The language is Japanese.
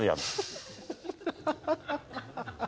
フハハハハ。